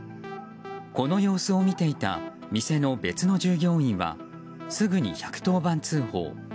この様子を見ていた店の別の従業員はすぐに１１０番通報。